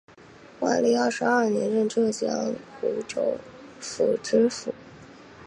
万历二十二年任浙江湖州府知府。